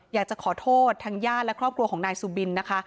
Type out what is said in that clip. อยากจะขอโทษทางญาติและครอบครัวของนายสุบินนะคะ